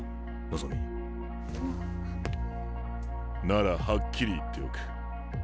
ならはっきり言っておく。